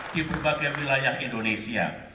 di berbagai wilayah indonesia